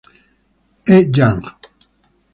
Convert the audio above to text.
He Yang